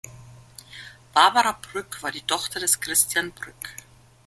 Barbara Brück war die Tochter des Christian Brück.